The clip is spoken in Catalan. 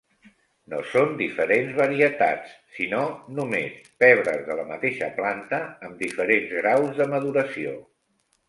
No són diferents varietats sinó només pebres de la mateixa planta amb diferents graus de maduració.